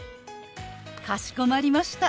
かしこまりました。